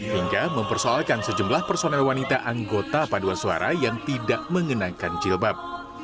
hingga mempersoalkan sejumlah personel wanita anggota paduan suara yang tidak mengenakan jilbab